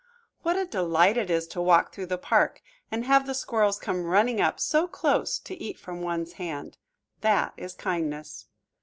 What a delight it is to walk through the park and have the squirrels come running up so close, to eat from one's hand! That is kindness.